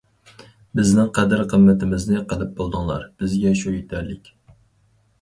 بىزنىڭ قەدىر- قىممىتىمىزنى قىلىپ بولدۇڭلار، بىزگە شۇ يېتەرلىك.